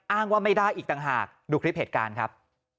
ว่าไม่ได้อีกต่างหากดูคลิปเหตุการณ์ครับ